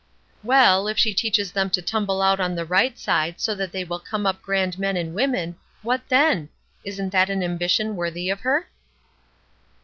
"Well, if she teaches them to tumble out on the right side so that they will come up grand men and women, what then? Isn't that an ambition worthy of her?"